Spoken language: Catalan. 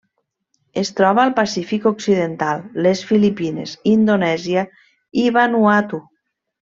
Es troba al Pacífic occidental: les Filipines, Indonèsia i Vanuatu.